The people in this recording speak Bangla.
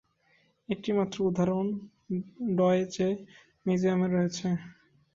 একটি মাত্র উদাহরণ ডয়েচে মিউজিয়ামে রয়েছে।